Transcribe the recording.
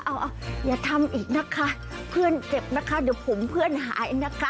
เอาอย่าทำอีกนะคะเพื่อนเจ็บนะคะเดี๋ยวผมเพื่อนหายนะคะ